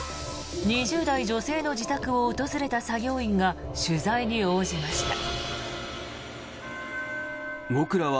２０代女性の自宅を訪れた作業員が取材に応じました。